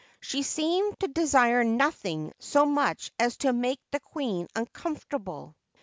She seemed to de sire nothing so much as to make the queen uncomfort able.